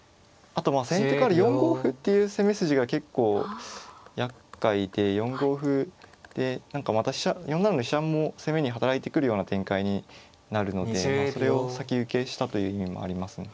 あとまあ先手から４五歩っていう攻め筋が結構やっかいで４五歩で何かまた４七の飛車も攻めに働いてくるような展開になるのでそれを先受けしたという意味もありますね。